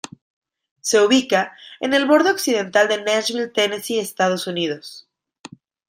Se ubica en el borde occidental de Nashville, Tennessee, Estados Unidos.